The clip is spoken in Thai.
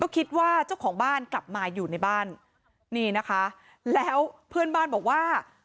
คิดว่าเจ้าของบ้านกลับมาอยู่ในบ้านนี่นะคะแล้วเพื่อนบ้านบอกว่า